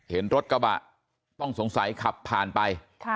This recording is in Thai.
เห็นรถกระบะต้องสงสัยขับผ่านไป